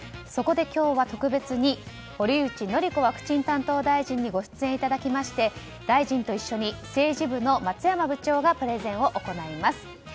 そこで今日は特別に堀内詔子ワクチン担当大臣にご出演いただきまして大臣と一緒に政治部の松山部長がプレゼンを行います。